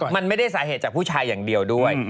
มันไม่ได้สาเหตุจากผู้ชายอย่างเดียวด้วย